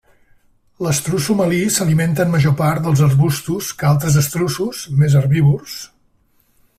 L'estruç somali s'alimenta en major part dels arbusts que altres estruços, més herbívors.